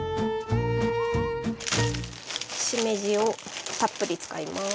しめじをたっぷり使います。